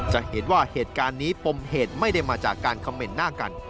จะเห็นว่าเหตุการณ์นี้ปมเหตุไม่ได้มาจากการคำเหม็นหน้ากัน